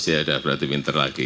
seratus ya udah berarti pinter lagi